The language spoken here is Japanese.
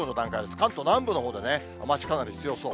関東南部のほうでね、雨足、かなり強そう。